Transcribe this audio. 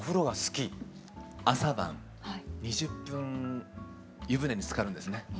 朝晩２０分湯船につかるんですね。